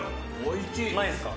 うまいですか？